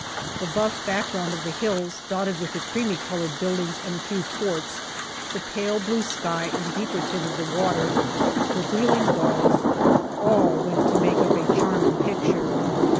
The buff background of the hills, dotted with the creamy coloured buildings and a few forts, the pale blue sky and deeper tint of the water, the wheeling gulls, all went to make up a charming picture.